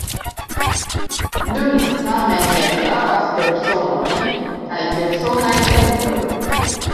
Nun, tamen, ne gravas personoj kaj personaj sentoj.